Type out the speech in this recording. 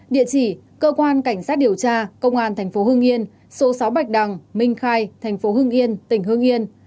địa chỉ cơ quan cảnh sát điều tra công an tp hương yên số sáu bạch đằng minh khai tp hương yên tỉnh hương yên